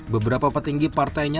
beberapa petinggi partainya